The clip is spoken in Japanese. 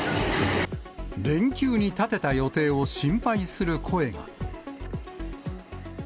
連休に立てた予定を心配する声が。